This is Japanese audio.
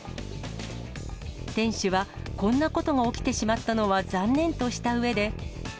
店主は、こんなことが起きてしまったのは残念としたうえで。